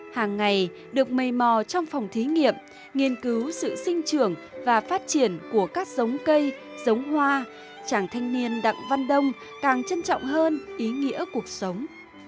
hàng ngày được mây mò trong phòng thí nghiệm nghiên cứu sự sinh trưởng và phát triển của các giống cây giống hoa chàng thanh niên đặng văn đông càng trân trọng hơn ý nghĩa cuộc sống